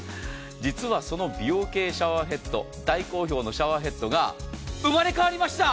実はその美容系シャワーヘッド大好評のシャワーヘッドが生まれ変わりました。